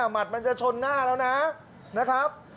มัดมันจะชนหน้าแล้วนะครับ